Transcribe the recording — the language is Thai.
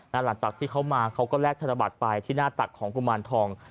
หลังจากที่เขามาเขาก็แลกธนบัตรไปที่หน้าตักของกุมารทอง